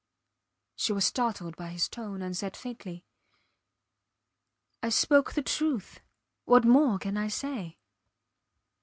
She was startled by his tone, and said faintly I spoke the truth. What more can I say?